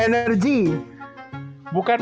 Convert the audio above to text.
bukan masalah voting aja